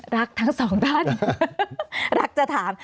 รักทั้งสองท่านรักจะถาม